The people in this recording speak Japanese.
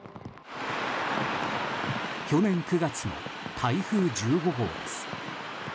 去年９月の台風１５号です。